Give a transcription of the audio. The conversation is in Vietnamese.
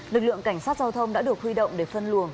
lực lượng cảnh sát giao thông đã được huy động để phân luồng